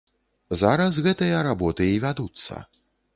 Зараз гэтыя работы і вядуцца.